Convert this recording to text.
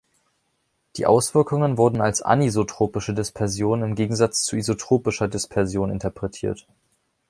Die Auswirkungen wurden als anisotropische Dispersion im Gegensatz zu isotropischer Dispersion interpretiert.